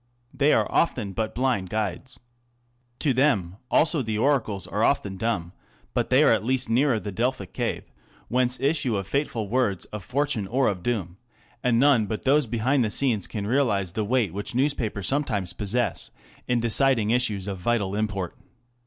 They are often but blind guides. To them also the oracles are often dumb ; but they are at least nearer the Delphic VOL. XLIX. Y Y Digitized by Google 668 THE CONTEMPORARY REVIEW. cave whence issue the fateful words of fortune or of doom ; and none but those behind the scenes can realize the weight which news papers sometimes possess in deciding issues of vital import.